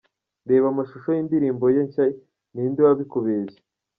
Reba amashusho y'indirimbo ye nshya 'Ni inde wabikubeshye'.